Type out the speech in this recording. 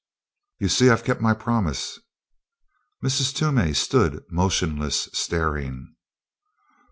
"You see I've kept my promise." Mrs. Toomey stood motionless, staring.